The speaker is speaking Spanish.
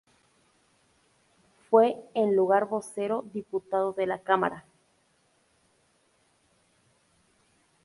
Fue en lugar Vocero Diputado de la Cámara.